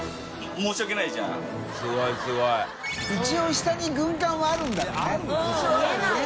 豈下に軍艦はあるんだね。